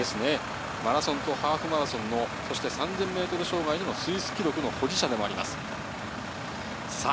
マラソンとハーフマラソンと３０００ｍ障害のスイスでの記録保持者です。